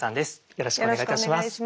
よろしくお願いします。